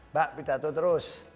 mbak pidato terus